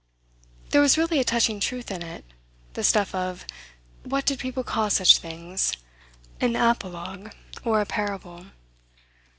There was really a touching truth in it, the stuff of what did people call such things? an apologue or a parable.